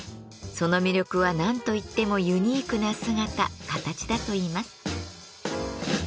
その魅力は何と言ってもユニークな姿形だといいます。